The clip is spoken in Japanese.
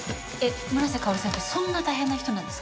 村瀬香織さんってそんな大変な人なんですか？